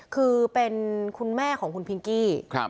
คือเป็นคุณแม่ของคุณพิงกี้